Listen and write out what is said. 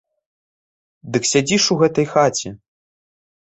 Дык сядзі ж у гэтай хаце.